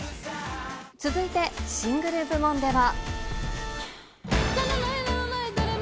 続いてシングル部門では。